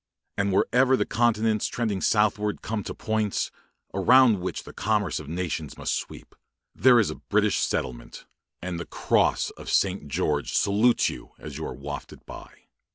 And wherever the continents tending southward come to points, around which the commerce of nations must sweep, there is a British settlement; and the cross of St. George salutes you as you are wafted by.